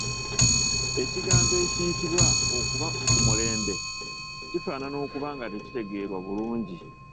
Ekigambo ekiyitibwa “okuba ku mulembe” kifaanana okuba nga tekitegeerwa bulungi!